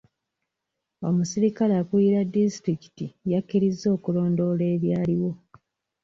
Omuserikale akulira disitulikiti yakirizza okulondoola ebyaliwo.